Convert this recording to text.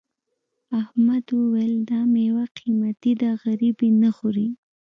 احمد وویل دا میوه قيمتي ده غريب یې نه خوري.